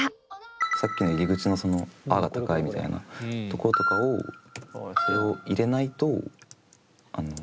さっきの入り口のその「嗚」が高いみたいなところとかをこれを入れないとあの。